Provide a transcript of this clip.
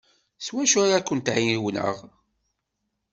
S wacu ara kent-ɛiwneɣ?